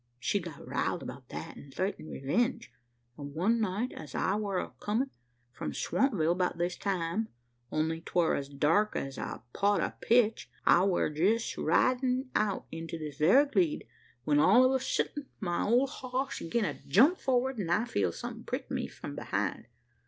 She got riled 'bout that, an' thraitened revenge; an' one night, as I war comin' from Swampville, 'bout this time only 'twar as dark as a pot o' pitch I war jest ridin' out into this very gleed, when all o' a suddint my ole hoss gin a jump forrard, an I feeled somethin' prick me from behind.